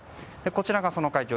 こちらが、その会場。